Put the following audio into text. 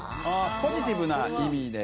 ポジティブな意味で。